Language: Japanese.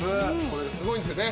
これすごいんですよね。